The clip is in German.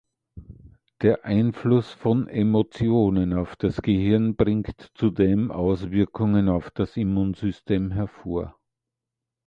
Der Einfluss von Emotionen auf das Gehirn bringt zudem Auswirkungen auf das Immunsystem hervor.